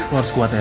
lo harus kuat ya